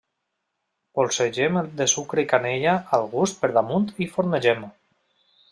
Polsegem de sucre i canyella al gust per damunt i fornegem.